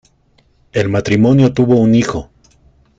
El matrimonio tuvo un hijo.